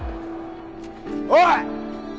おい！